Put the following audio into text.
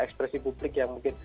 ekspresi publik yang mungkin